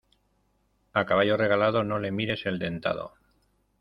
A caballo regalado no le mires el dentado.